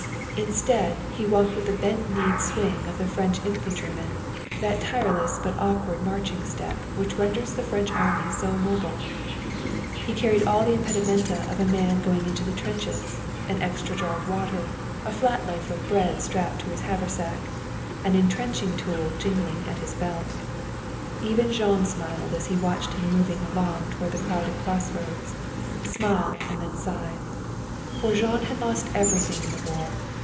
Instead, he walked with the bent kneed swing of the French infantryman, that tireless but awkward marching step which renders the French Army so mobile. He carried all the impedimenta of a man going into the trenches, an extra jar of water, a flat loaf of bread strapped to his haversack, and an intrenching tool jingling at his belt. Even Jean smiled as he watched him moving along toward the crowded crossroads smiled and then sighed. For Jean had lost everything in the war.